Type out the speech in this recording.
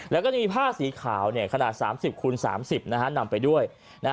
แล้วก็มีผ้าสีขาวขนาด๓๐คูณ๓๐นำไปด้วย